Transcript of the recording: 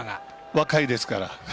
若いですから。